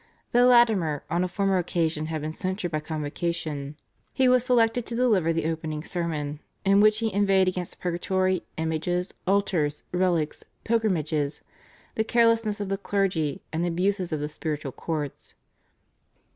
Though Latimer on a former occasion had been censured by Convocation he was selected to deliver the opening sermon, in which he inveighed against Purgatory, images, altars, relics, pilgrimages, the carelessness of the clergy, and the abuses of the spiritual courts.